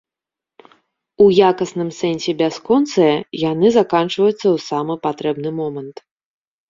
У якасным сэнсе бясконцыя, яны заканчваюцца ў самы патрэбны момант.